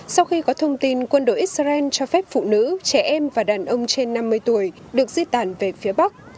sau khi có thông tin quân đội israel cho phép phụ nữ trẻ em và đàn ông trên năm mươi tuổi được di tản về phía bắc